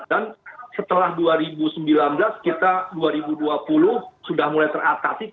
dan setelah dua ribu sembilan belas kita dua ribu dua puluh sudah mulai teratasi